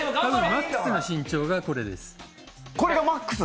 マックスの身長がこれです。